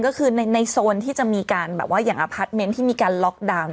ก็คือในโซนที่จะมีอพาร์ทเมนต์ที่มีการล็อคดาวน์